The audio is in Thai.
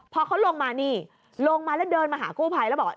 พอเขาลงมานี่ลงมาแล้วเดินมาหากู้ภัยแล้วบอกว่า